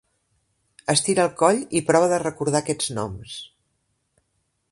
Estira el coll i prova de recordar aquests noms.